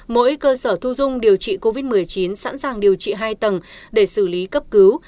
mỗi cơ sở thu dung điều trị covid một mươi chín sẵn sàng điều trị hai tầng để xử lý cấp cứu